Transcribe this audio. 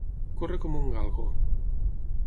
Córrer com un galgo.